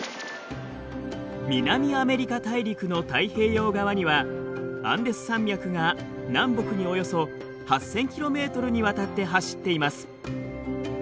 南アメリカ大陸の太平洋側にはアンデス山脈が南北におよそ８，０００ｋｍにわたって走っています。